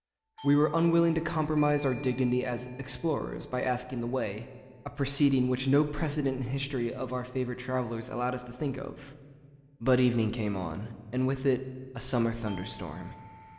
We were unwilling to compromise our dignity as 'explorers' by asking the way—a proceeding which no precedent in the history of our favourite travellers allowed us to think of. But evening came on, and with it a summer thunder storm.